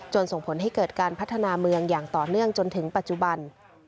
ส่งผลให้เกิดการพัฒนาเมืองอย่างต่อเนื่องจนถึงปัจจุบัน